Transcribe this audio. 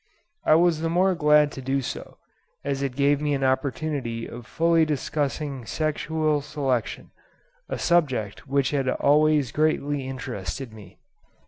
I was the more glad to do so, as it gave me an opportunity of fully discussing sexual selection—a subject which had always greatly interested me.